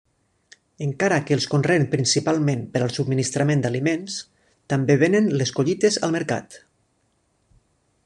Encara que els conreen principalment per al subministrament d'aliments, també venen les collites al mercat.